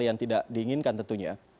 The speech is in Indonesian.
yang tidak diinginkan tentunya